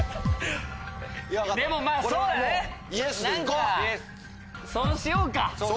でもまぁそうだね何かそうしようか。